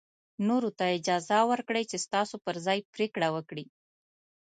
نورو ته اجازه ورکړئ چې ستاسو پر ځای پرېکړه وکړي.